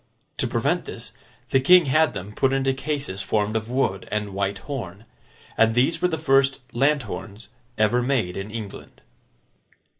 To prevent this, the King had them put into cases formed of wood and white horn. And these were the first lanthorns ever made in England.